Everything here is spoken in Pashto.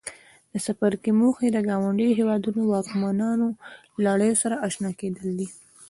د څپرکي موخې د ګاونډیو هېوادونو واکمنو لړیو سره آشنا کېدل دي.